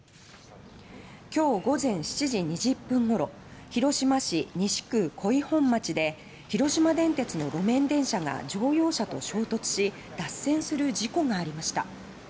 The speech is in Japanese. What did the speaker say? きょう午前７時２０分ごろ広島市西区己斐本町で広島電鉄の路面電車が乗用車と衝突し脱線する事故がありました。